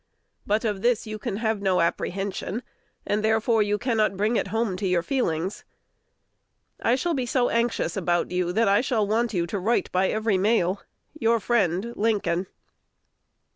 But of this you have no apprehension; and therefore you cannot bring it home to your feelings. I shall be so anxious about you, that I shall want you to write by every mail. Your friend, Lincoln.